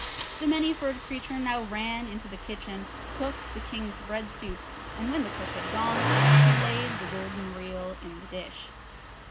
The Many furred Creature now ran into the kitchen, cooked the King's bread soup, and when the cook had gone, she laid the gold reel in the dish.